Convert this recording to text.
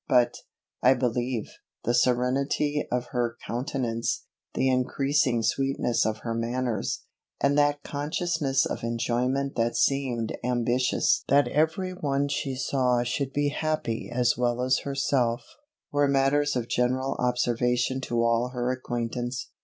But, I believe, the serenity of her countenance, the increasing sweetness of her manners, and that consciousness of enjoyment that seemed ambitious that every one she saw should be happy as well as herself, were matters of general observation to all her acquaintance.